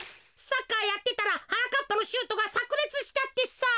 サッカーやってたらはなかっぱのシュートがさくれつしちゃってさ。